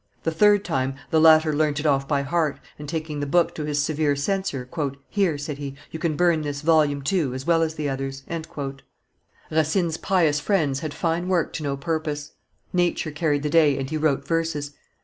The third time, the latter learnt it off by heart, and, taking the book to his severe censor, "Here," said he, "you can burn this volume too, as well as the others." Racine's pious friends had fine work to no purpose; nature carried the day, and he wrote verses.